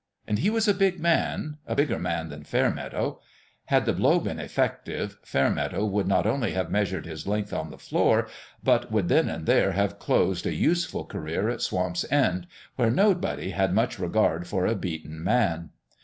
And he was a big man a bigger man than Fairmeadow. Had the blow been effective, Fairmeadow would not only have measured his length on the floor, but would then and there have closed a useful career at Swamp's End, where nobody had much regard for a beaten man.